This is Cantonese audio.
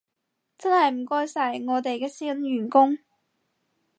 真係唔該晒，我哋嘅新員工